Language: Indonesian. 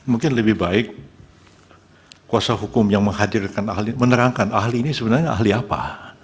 mungkin lebih baik kuasa hukum yang menghadirkan ahli menerangkan ahli ini sebenarnya ahli apa